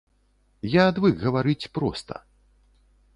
Я адвык гаварыць проста.